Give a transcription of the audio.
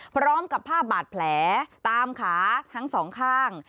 พร้อมกับภาพบาดแผลตามขาทั้งสองข้าง